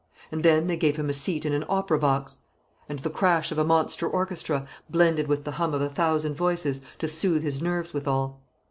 And then they gave him a seat in an opera box, and the crash of a monster orchestra, blended with the hum of a thousand voices, to soothe his nerves withal.